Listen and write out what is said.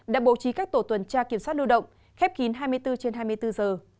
đã bổ trí các tổ tuần tra kiểm soát lưu động khép kín hai mươi bốn trên hai mươi bốn giờ